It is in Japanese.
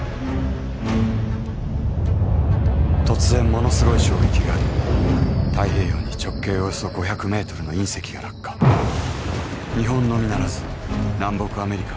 突然ものすごい衝撃があり太平洋に直径およそ５００ｍの隕石が落下日本のみならず南北アメリカ